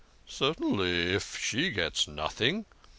"" Certainly, if she gets nothing.